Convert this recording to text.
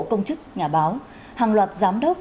công chức nhà báo hàng loạt giám đốc